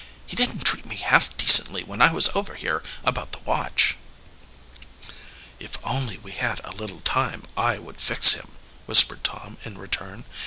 "He didn't treat me half decently when I was over here about the watch." "If only we had a little time I would fix him," whispered Tom in return.